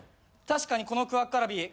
確かにこのクアッカワラビー。